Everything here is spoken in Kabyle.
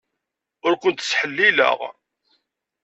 Ur kent-ttḥellileɣ.